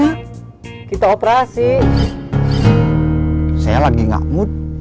tentukan humbled sudah mencegah jauh